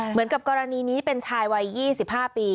เหมือนกับกรณีนี้เป็นชายวัย๒๕ปี